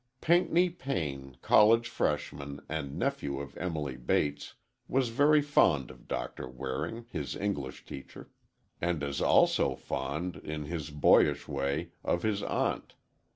Pinckney Payne, college freshman, and nephew of Emily Bates, was very fond of Doctor Waring, his English teacher, and as also fond, in his boyish way, of his aunt.